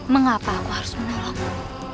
mengapa aku harus menolongmu